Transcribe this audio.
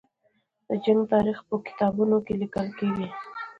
د جنګ تاریخ به په کتابونو کې لیکل کېږي.